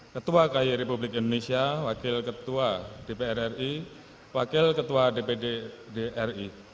ketua ky republik indonesia wakil ketua dpr ri wakil ketua dpd ri